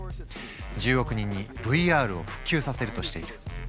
１０億人にＶＲを普及させるとしている。